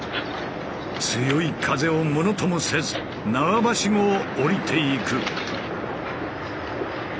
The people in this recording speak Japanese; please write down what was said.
強い風をものともせず縄ばしごを下りていく。